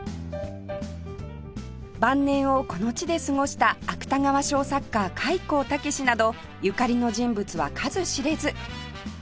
晩年をこの地で過ごした芥川賞作家開高健などゆかりの人物は数知れず